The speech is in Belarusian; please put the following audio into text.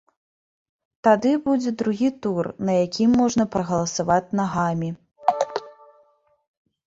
Тады будзе другі тур, на якім можна прагаласаваць нагамі.